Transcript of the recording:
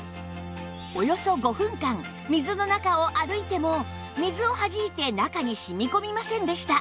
およそ５分間水の中を歩いても水をはじいて中に染み込みませんでした